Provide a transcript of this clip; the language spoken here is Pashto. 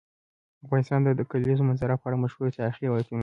افغانستان د د کلیزو منظره په اړه مشهور تاریخی روایتونه لري.